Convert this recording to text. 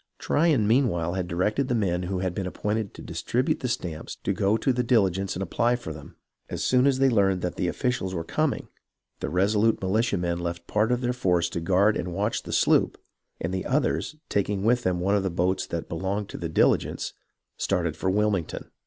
Tryon meanwhile had directed the men who had been appointed to distribute the stamps to go to the Diligence and apply for them. As soon as they learned that the officials were coming, the resolute militia men left a part of their force to guard and watch the sloop, and the others, taking with them one of the boats that belonged to the Diligence, started for Wilmington.